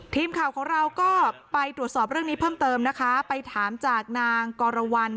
ทีมข่าวของเราก็ไปตรวจสอบเรื่องนี้เพิ่มเติมนะคะไปถามจากนางกรวรรณ